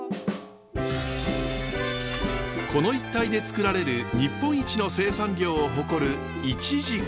この一帯で作られる日本一の生産量を誇るいちじく。